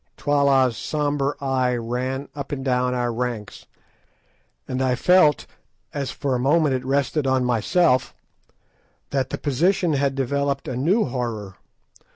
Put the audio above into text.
Twala's sombre eye ran up and down our ranks, and I felt, as for a moment it rested on myself, that the position had developed a new horror.